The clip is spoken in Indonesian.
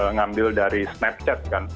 ngambil dari snapchat kan